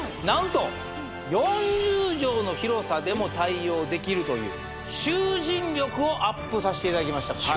何と４０畳の広さでも対応できるという集塵力をアップさせていただきました